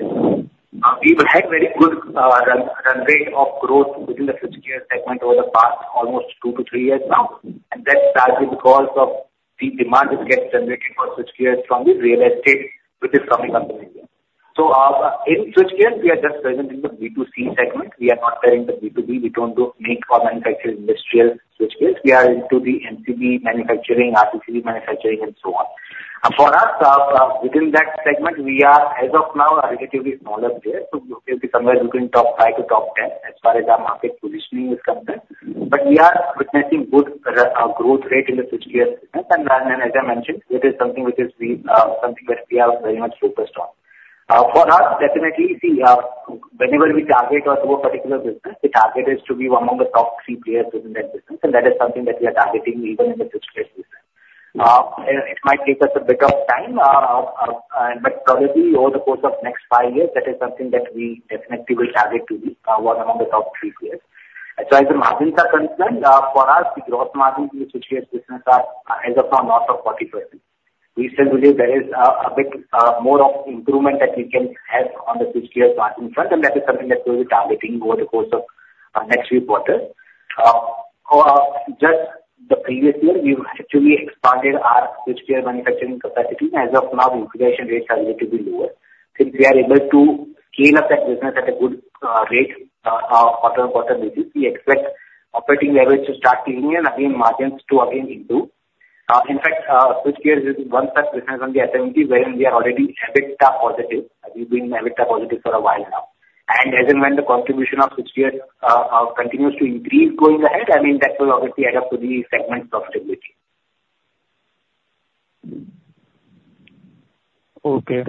We've had very good run rate of growth within the switchgear segment over the past almost two to three years now. And that's largely because of the demand which gets generated for switchgears from the real estate, which is coming up in India. In switchgear, we are just present in the B2C segment. We are not there in the B2B. We don't do make or manufacture industrial switchgears. We are into the MCB manufacturing, RCCB manufacturing, and so on. For us, within that segment, we are, as of now, a relatively smaller player. So it will be somewhere between top five to top ten, as far as our market positioning is concerned. But we are witnessing good growth rate in the switchgear segment, and as I mentioned, it is something which we are very much focused on. For us, definitely, see, whenever we target a particular business, the target is to be among the top three players within that business, and that is something that we are targeting even in the switchgear business. It might take us a bit of time, but probably over the course of next five years, that is something that we definitely will have it to be one among the top three players. As far as the margins are concerned, for us, the gross margins in the switchgear business are, as of now, north of 40%. We still believe there is a bit more of improvement that we can have on the switchgear margin front, and that is something that we'll be targeting over the course of next few quarters. Just the previous year, we've actually expanded our switchgear manufacturing capacity. As of now, the utilization rates are relatively lower. Since we are able to scale up that business at a good rate, quarter on quarter basis, we expect operating leverage to start kicking in, again, margins to again improve. In fact, switchgears is one such business on the FME wherein we are already EBITDA positive. We've been EBITDA positive for a while now. As and when the contribution of switchgear continues to increase going ahead, I mean, that will obviously add up to the segment profitability. Okay,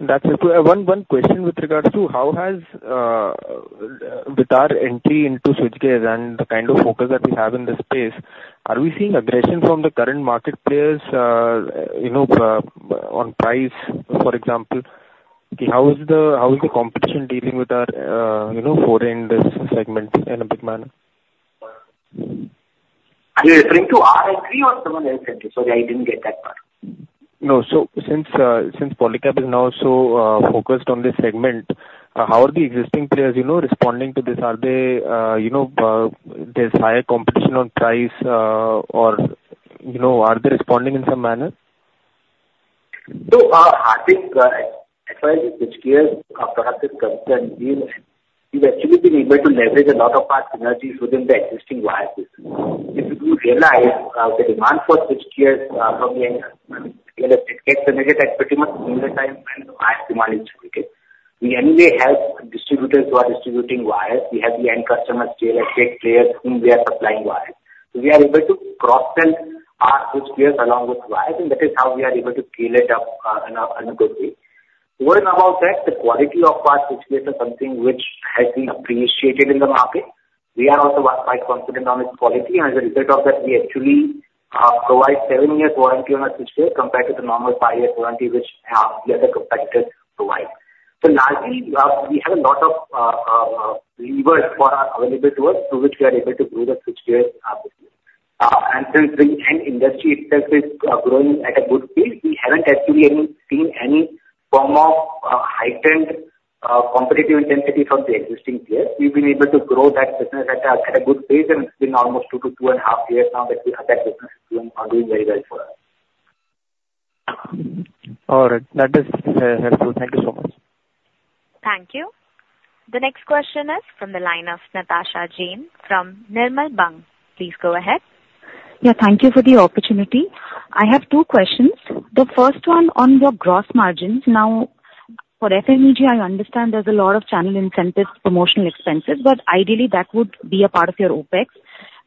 that's it. One question with regards to how has, with our entry into switchgear and the kind of focus that we have in this space, are we seeing aggression from the current market players, you know, on price, for example? How is the competition dealing with our, you know, foray in this segment in a big manner? Are you referring to RR or someone else, sorry, I didn't get that part? No. So since Polycab is now so focused on this segment, how are the existing players, you know, responding to this? Are they, you know, there's higher competition on price, or, you know, are they responding in some manner? I think, as far as switchgear for us is concerned, we've actually been able to leverage a lot of our synergies within the existing wire business. If you realize, the demand for switchgears from the end real estate gets generated at pretty much similar time when the wire demand is generated. We anyway have distributors who are distributing wires. We have the end customers, real estate players, whom we are supplying wires. So we are able to cross-sell our switchgears along with wires, and that is how we are able to scale it up in a good way. More and above that, the quality of our switchgear is something which has been appreciated in the market. We are also quite confident on its quality, and as a result of that, we actually provide seven-year warranty on our switchgear, compared to the normal five-year warranty which the other competitors provide. So largely, we have a lot of levers available to us, through which we are able to grow the switchgear business. And since the end industry itself is growing at a good pace, we haven't actually seen any form of heightened competitive intensity from the existing peers. We've been able to grow that business at a good pace, and it's been almost two to two and a half years now that we have that business, doing very well for us. All right. That is, helpful. Thank you so much. Thank you. The next question is from the line of Natasha Jain from Nirmal Bang. Please go ahead. Yeah, thank you for the opportunity. I have two questions. The first one on your gross margins. Now, for FMEG, I understand there's a lot of channel incentives, promotional expenses, but ideally, that would be a part of your OpEx.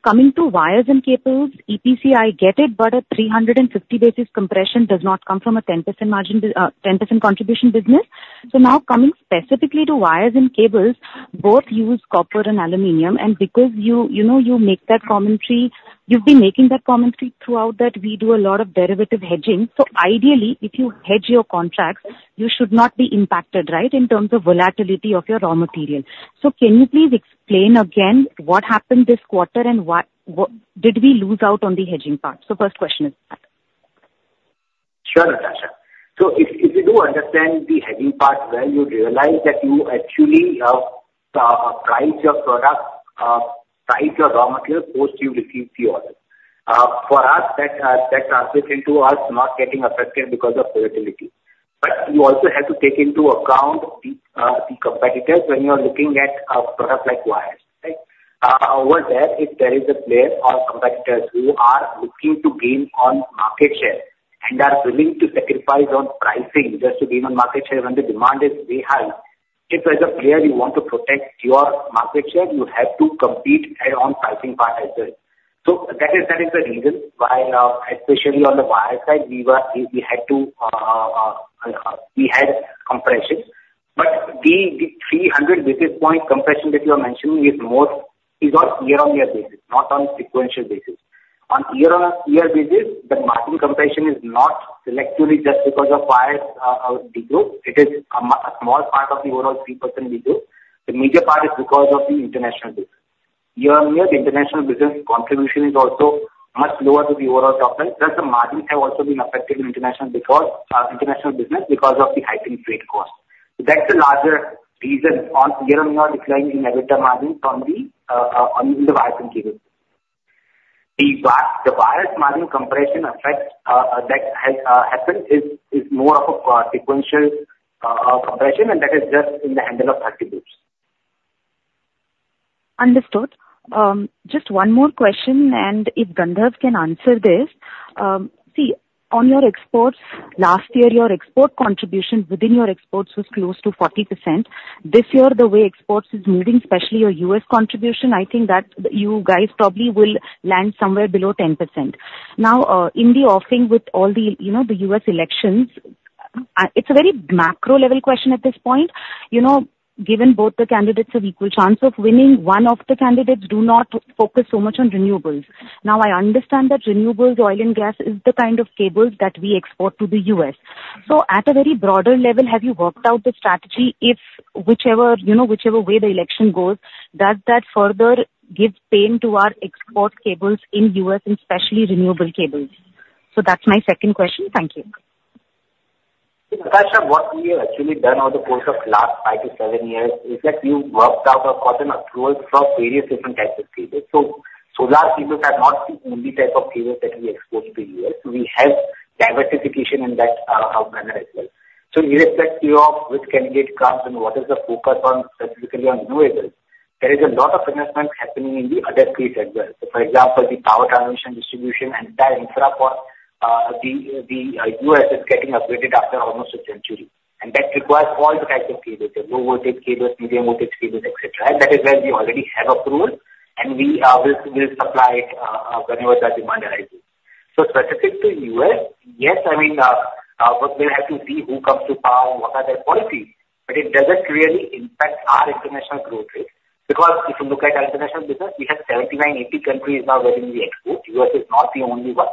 Coming to wires and cables, EPC, I get it, but a 350 basis compression does not come from a 10% margin business, 10% contribution business. So now coming specifically to wires and cables, both use copper and aluminum, and because you, you know, you make that commentary, you've been making that commentary throughout that we do a lot of derivative hedging. So ideally, if you hedge your contracts, you should not be impacted, right? In terms of volatility of your raw material. So can you please explain again what happened this quarter, and why, what did we lose out on the hedging part? First question is that. Sure, Natasha. So if you do understand the hedging part well, you realize that you actually price your product, price your raw materials post you receive the order. For us, that translates into us not getting affected because of volatility. But you also have to take into account the competitors when you are looking at a product like wires, right? Over there, if there is a player or competitors who are looking to gain on market share and are willing to sacrifice on pricing just to gain on market share when the demand is very high, if as a player you want to protect your market share, you have to compete at on pricing part as well. That is the reason why, especially on the wire side, we had compression. But the three hundred basis point compression that you are mentioning is more on year-on-year basis, not on sequential basis. On year-on-year basis, the margin compression is not selectively just because of wires degrowth, it is a small part of the overall 3% degrowth. The major part is because of the international business. Year-on-year, the international business contribution is also much lower to the overall topline, plus the margins have also been affected in international because of the hiking trade cost. That's the larger reason on year-on-year decline in EBITDA margin on the wires and cables. The wires margin compression effect that happens is more of a sequential compression, and that is just a handful of 30 basis points. Understood. Just one more question, and if Gandharv can answer this. See, on your exports, last year, your export contribution within your exports was close to 40%. This year, the way exports is moving, especially your U.S. contribution, I think that you guys probably will land somewhere below 10%. Now, in the offing with all the, you know, the .elections, it's a very macro-level question at this point. You know, given both the candidates have equal chance of winning, one of the candidates do not focus so much on renewables. Now, I understand that renewables, oil and gas is the kind of cables that we export to the U.S. So at a very broader level, have you worked out the strategy if whichever, you know, whichever way the election goes, does that further give pain to our export cables in U.S. and especially renewable cables? So that's my second question. Thank you. Natasha, what we have actually done over the course of last five to seven years is that we've worked out or gotten approvals for various different types of cables. So solar cables are not the only type of cables that we export to U.S. So we have diversification in that manner as well. So irrespective of which candidate comes and what is the focus on, specifically on renewables, there is a lot of investment happening in the other sectors as well. So for example, the power transmission, distribution, and the infra for the U.S. is getting upgraded after almost a century, and that requires all the types of cables, the low voltage cables, medium voltage cables, et cetera. And that is where we already have approval, and we will supply whenever the demand arises. So specific to U.S., yes, I mean, we'll have to see who comes to power and what are their policies, but it doesn't really impact our international growth rate. Because if you look at international business, we have seventy-nine, eighty countries now wherein we export. U.S. is not the only one.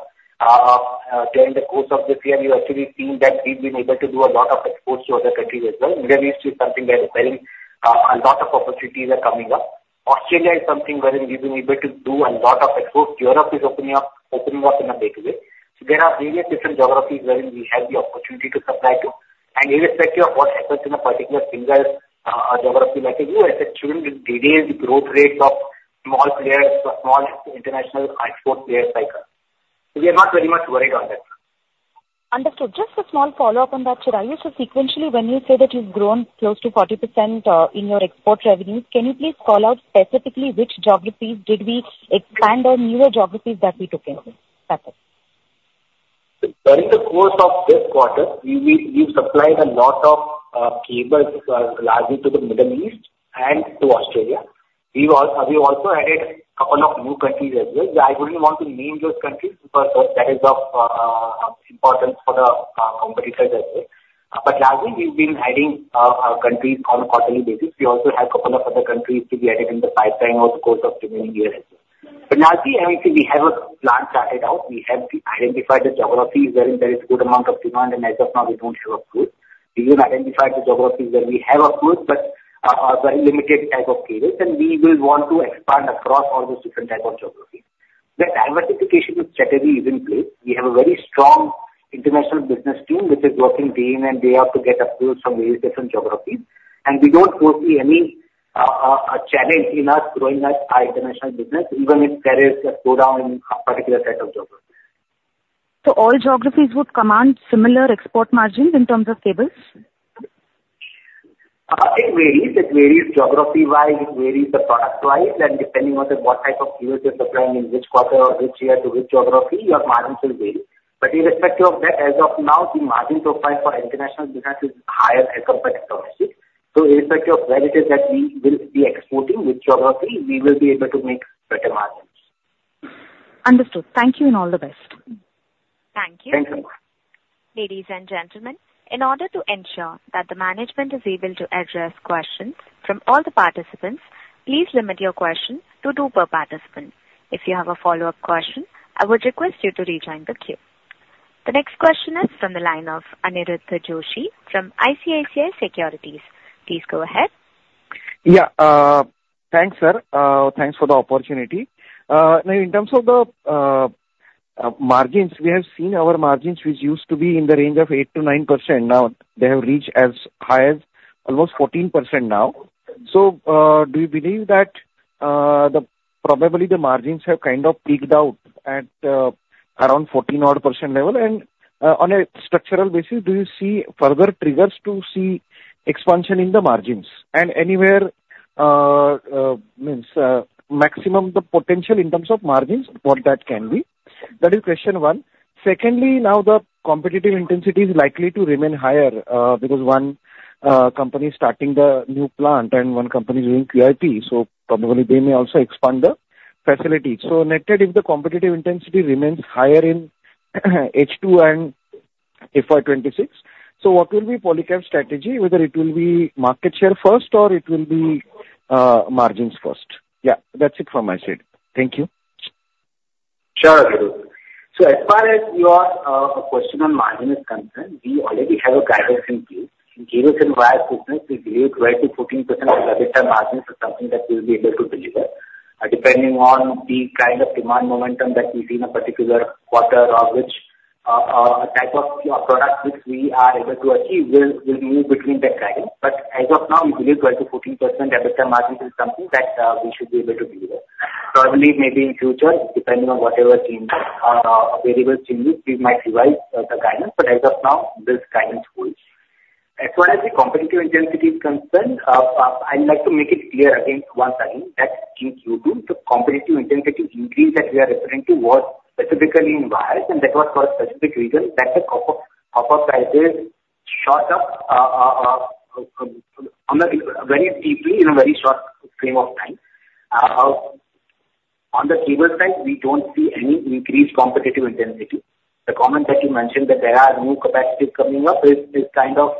During the course of this year, we've actually seen that we've been able to do a lot of exports to other countries as well. Middle East is something wherein a lot of opportunities are coming up. Australia is something wherein we've been able to do a lot of exports. Europe is opening up, opening up in a big way. So there are various different geographies wherein we have the opportunity to supply to, and irrespective of what happens in a particular single geography like U.S., it shouldn't delay the growth rate of small players or small international export players like us. So we are not very much worried on that. Understood. Just a small follow-up on that, Chirayu. So sequentially, when you say that you've grown close to 40% in your export revenues, can you please call out specifically which geographies did we expand or newer geographies that we took in? That's it. During the course of this quarter, we supplied a lot of cables, largely to the Middle East and to Australia. We've also added a couple of new countries as well. I wouldn't want to name those countries, but that is of importance for the competitors as well. But largely, we've been adding countries on a quarterly basis. We also have a couple of other countries to be added in the pipeline over the course of the remaining year as well. But largely, I would say we have a plan started out. We have identified the geographies where there is good amount of demand, and as of now, we don't have a route. We even identified the geographies where we have a foothold, but very limited type of cables, and we will want to expand across all those different type of geographies. The diversification strategy is in place. We have a very strong international business team, which is working day and night, and they have to get approvals from various different geographies, and we don't foresee any challenge in us growing our international business, even if there is a slowdown in a particular set of geographies. So all geographies would command similar export margins in terms of cables? It varies. It varies geography-wise, it varies the product-wise, and depending on the what type of cables you're supplying, in which quarter or which year to which geography, your margins will vary. But irrespective of that, as of now, the margin profile for international business is higher as compared to domestic. So irrespective of where it is that we will be exporting which geography, we will be able to make better margins. Understood. Thank you, and all the best. Thank you. Thank you. Ladies and gentlemen, in order to ensure that the management is able to address questions from all the participants, please limit your questions to two per participant. If you have a follow-up question, I would request you to rejoin the queue. The next question is from the line of Aniruddha Joshi from ICICI Securities. Please go ahead. Yeah, thanks, sir. Thanks for the opportunity. Now, in terms of the margins, we have seen our margins, which used to be in the range of 8%-9%. Now, they have reached as high as almost 14% now. So, do you believe that probably the margins have kind of peaked out at around 14-odd % level? And, on a structural basis, do you see further triggers to see expansion in the margins and anywhere means maximum the potential in terms of margins, what that can be? That is question one. Secondly, now the competitive intensity is likely to remain higher because one company is starting the new plant and one company is doing QIP, so probably they may also expand the facility. What if the competitive intensity remains higher in H2 and FY 2026, so what will be Polycab's strategy, whether it will be market share first or it will be margins first? Yeah, that's it from my side. Thank you. Sure, Aniruddha. So as far as your question on margin is concerned, we already have a guidance in place. In cables and wires business, we believe 12%-14% EBITDA margins is something that we'll be able to deliver. Depending on the kind of demand momentum that we see in a particular quarter or which type of product which we are able to achieve, we'll be between that guidance. But as of now, we believe 12%-14% EBITDA margins is something that we should be able to deliver. Probably, maybe in future, depending on whatever scene variables change, we might revise the guidance, but as of now, this guidance holds. As far as the competitive intensity is concerned, I'd like to make it clear again, one time, that in Q2, the competitive intensity increase that we are referring to was specifically in wires, and that was for a specific reason, that the copper prices shot up on a very deeply in a very short frame of time. On the cable side, we don't see any increased competitive intensity. The comment that you mentioned that there are new capacities coming up is kind of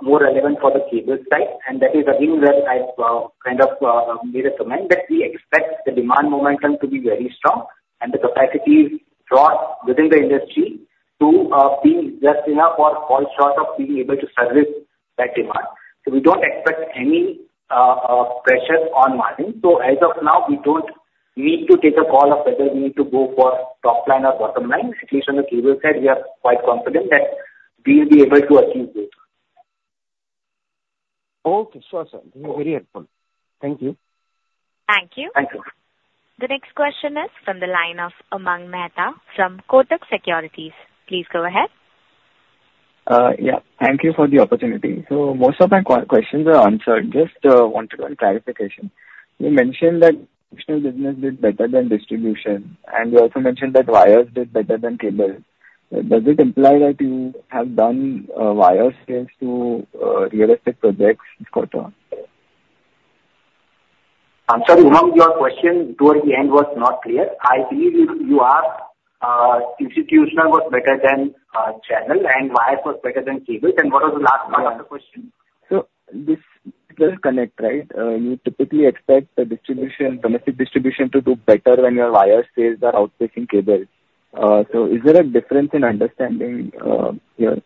more relevant for the cable side, and that is again, where I kind of made a comment that we expect the demand momentum to be very strong, and the capacity draw within the industry to be just enough or fall short of being able to service that demand. So we don't expect any pressure on margins. So as of now, we don't need to take a call of whether we need to go for top line or bottom line. At least on the cable side, we are quite confident that we will be able to achieve both. Okay. Sure, sir. This is very helpful. Thank you. Thank you. Thank you. The next question is from the line of Aman Mehta from Kotak Securities. Please go ahead. Yeah, thank you for the opportunity. So most of my questions are answered. Just want to get clarification. You mentioned that institutional business did better than distribution, and you also mentioned that wires did better than cables. Does it imply that you have done wires sales to real estate projects this quarter? I'm sorry, Aman, your question towards the end was not clear. I believe you, you asked, institutional was better than, channel, and wires was better than cables. And what was the last part of the question? This doesn't connect, right? You typically expect the distribution, domestic distribution to do better when your wire sales are outpacing cables. Is there a difference in understanding, here?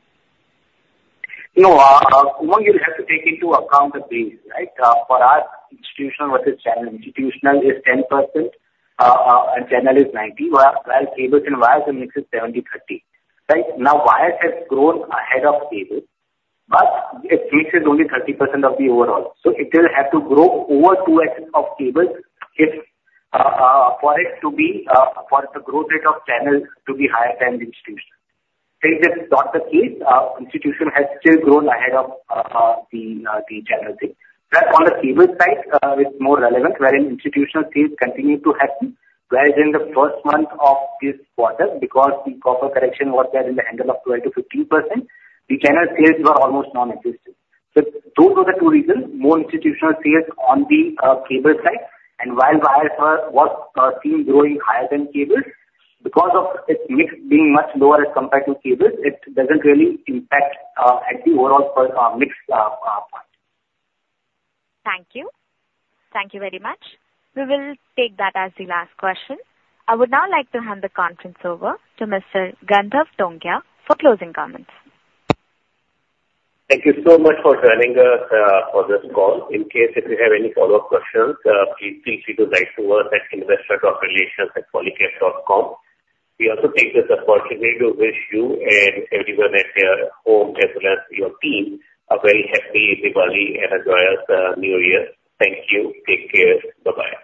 No, one, you'll have to take into account the base, right? For our institutional versus channel. Institutional is 10%, and channel is 90%, while cables and wires the mix is 70/30. Right? Now, wires has grown ahead of cables, but its mix is only 30% of the overall, so it will have to grow over 2x of cables if for it to be for the growth rate of channels to be higher than the institution. This is not the case. Institution has still grown ahead of the channel base. But on the cable side, it's more relevant, wherein institutional sales continue to happen. Whereas in the first month of this quarter, because the copper correction was there in the range of 12% to 15%, the channel sales were almost non-existent. So those are the two reasons, more institutional sales on the cable side, and while wires were seen growing higher than cables because of its mix being much lower as compared to cables, it doesn't really impact at the overall per mix point. Thank you. Thank you very much. We will take that as the last question. I would now like to hand the conference over to Mr. Gandharv Tongia for closing comments. Thank you so much for joining us for this call. In case if you have any follow-up questions, please feel free to write to us at investor.relations@polycab.com. We also take this opportunity to wish you and everyone at your home, as well as your team, a very happy Diwali and a joyous New Year. Thank you. Take care. Bye-bye.